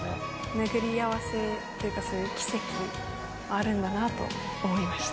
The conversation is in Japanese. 巡り合わせというかそういう奇跡あるんだなと思いました。